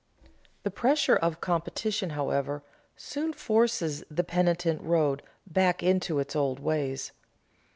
The pressure of competition, however, soon forces the penitent road back into its old ways.